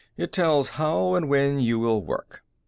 "It tells how and when you will work.